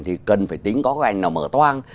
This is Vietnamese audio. thì cần phải tính có cái ảnh nào mở toan